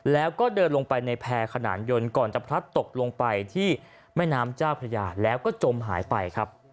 แล้วก็เดินลงไปในแพร่ขนานยนต์ก่อนจะพลัดตกลงไปที่แม่น้ำเจ้าพระยาแล้วก็จมหายไปครับ